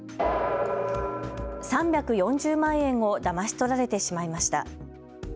３４０万円をだまし取られてしまいました。